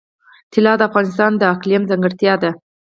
طلا د افغانستان د اقلیم ځانګړتیا ده.